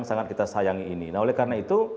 sangat kita sayangi ini nah oleh karena itu